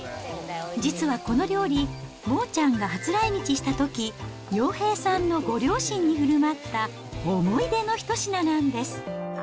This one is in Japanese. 実はこの料理、モーちゃんが初来日したとき、洋平さんのご両親にふるまった思い出の一品なんです。